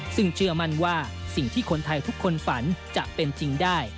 ซึ่งเชื่อมั่นว่าสิ่งที่คนไทยทุกคนฝันจะเป็นจริงได้